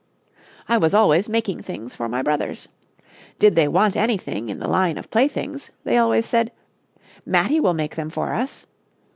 I was always making things for my brothers. Did they want anything in the line of playthings, they always said, 'Mattie will make them for us.'